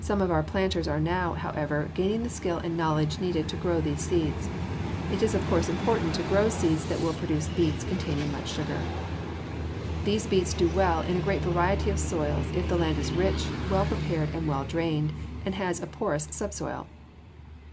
Some of our planters are now, however, gaining the skill and the knowledge needed to grow these seeds. It is of course important to grow seeds that will produce beets containing much sugar. [Illustration: FIG. 210. CATCHING MAPLE SAP] These beets do well in a great variety of soils if the land is rich, well prepared, and well drained, and has a porous subsoil.